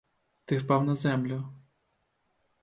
Ти впав на землю.